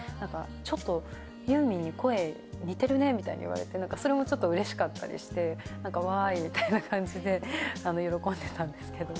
「ちょっとユーミンに声似てるね」って言われてそれもちょっとうれしかったりして「わーい」みたいな感じで喜んでたんですけど。